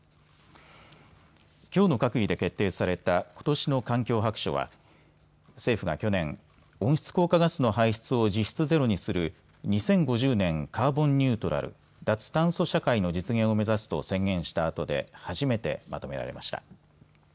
きょうの閣議で決定されたことしの環境白書は政府が去年、温室効果ガスの排出を実質ゼロにする２０５０年カーボンニュートラル脱炭素社会の実現を目指すと宣言したあとで初めてまとめられました。